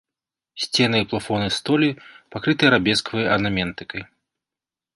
Сцены і плафоны столі пакрыты арабескавай арнаментыкай.